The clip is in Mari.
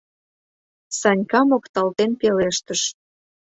— Санька мокталтен пелештыш.